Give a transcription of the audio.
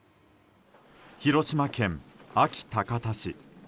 広島県安芸高田市。